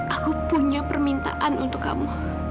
aku punya permintaan untuk kamu